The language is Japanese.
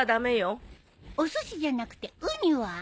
おすしじゃなくてウニは？